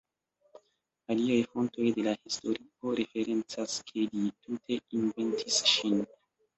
Aliaj fontoj de la historio referencas ke li tute inventis ŝin.